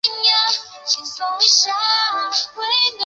继承法是民法体系当中关于财产继承的法律规则的总称。